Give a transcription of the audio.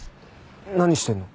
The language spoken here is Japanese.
何してんの？